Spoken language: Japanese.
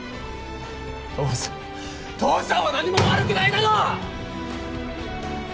父さん父さんは何も悪くないだろ！